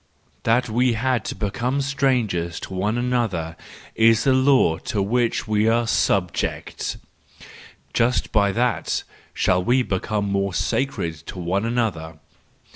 That we had to become strangers to one another is the law to which we are subject: just by that shall we become more sacred to one another!